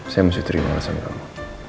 saya mesti terima kasih sama kamu